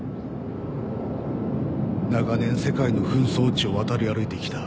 長年世界の紛争地を渡り歩いてきた。